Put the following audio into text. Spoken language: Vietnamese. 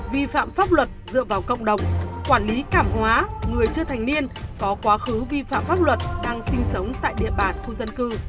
vi phạm pháp luật dựa vào cộng đồng quản lý cảm hóa người chưa thành niên có quá khứ vi phạm pháp luật đang sinh sống tại địa bàn khu dân cư